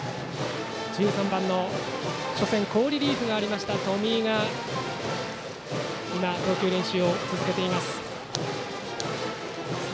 １３番、初戦好リリーフがあった冨井が投球練習を続けています。